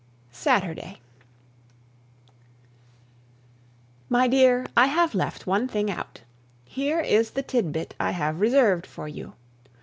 Saturday. My dear, I have left one thing out. Here is the tidbit I have reserved for you.